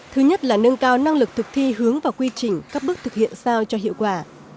thứ nhất là nâng cao năng lực thực thi hướng và quy trình các bước thực hiện sao cho hiệu quả